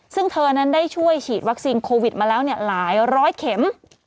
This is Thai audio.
ซึ่งเธอนั้นได้ช่วยฉีดวัคซีนโควิดมาแล้วหลายร้อยเข็ม